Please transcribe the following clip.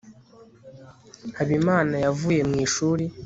habimana yavuye mu ishuri